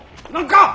何か！